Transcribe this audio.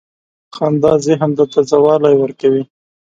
• خندا ذهن ته تازه والی ورکوي.